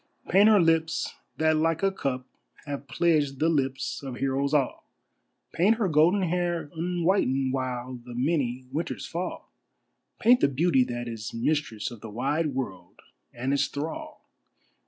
Paint her lips that like a cup have pledged the lips of heroes all, Paint her golden hair unwhitened while the many winters fall, Paint the beauty that is mistress of the wide world and its thrall!